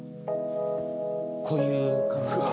こういう感じで。